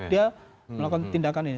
dia melakukan tindakan ini